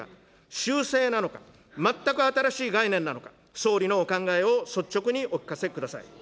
修正なのか、全く新しい概念なのか、総理のお考えを率直にお聞かせください。